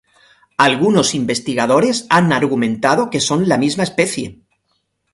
Algunos investigadores han argumentado que son la misma especie.